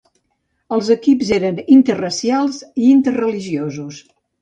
Els equips eren interracials i interreligiosos.